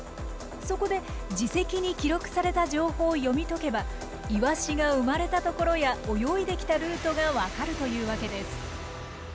そこで耳石に記録された情報を読み解けばイワシが生まれたところや泳いできたルートがわかるというわけです。